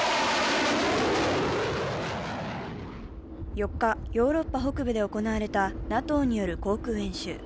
４日、ヨーロッパ北部で行われたＮＡＴＯによる航空演習。